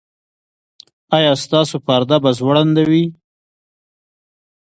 ایا ستاسو پرده به ځوړنده وي؟